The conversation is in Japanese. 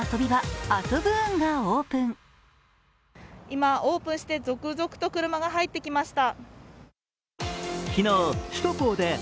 今、オープンして続々と車が入ってきました。